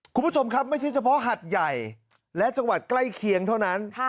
คุณผู้ชมครับไม่ใช่เฉพาะหัดใหญ่และจังหวัดใกล้เคียงเท่านั้น